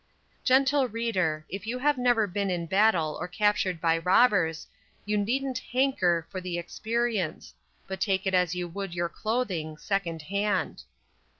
Gentle reader, if you have never been in battle or captured by robbers, you needn't "hanker" for the experience, but take it as you would your clothing, "second hand."